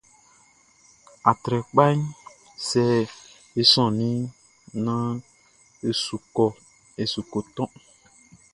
Atrɛkpaʼn, sɛ e sɔnnin naan e su kɔ toʼn.